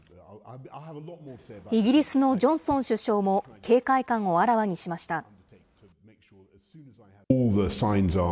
イギリスのジョンソン首相も、警戒感をあらわにしました。